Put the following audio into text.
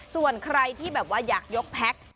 ส่วนใครที่แบบว่าอยากยกแพ็ค